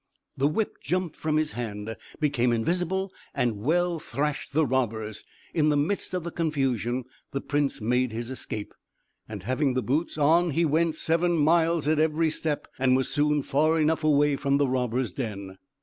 The whip jumped from his hand, became invisible, and well thrashed the robbers. In the midst of the confusion the prince made his escape, and having the boots on he went seven miles at every step, and was soon far enough away from the robbers' den.